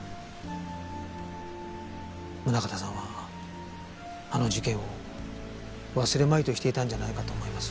宗形さんはあの事件を忘れまいとしていたんじゃないかと思います。